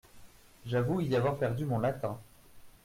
J’avoue y avoir perdu mon latin.